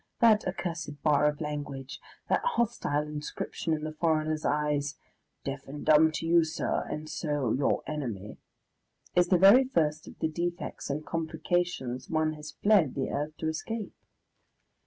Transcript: That accursed bar of language, that hostile inscription in the foreigner's eyes, "deaf and dumb to you, sir, and so your enemy," is the very first of the defects and complications one has fled the earth to escape.